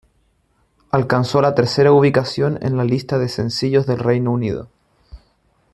Alcanzó la tercera ubicación en la lista de sencillos del Reino Unido.